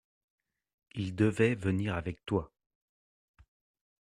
Il devait venir avec toi.